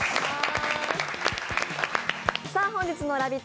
本日のラヴィット！